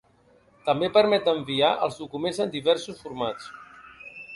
També permet d’enviar els documents en diversos formats.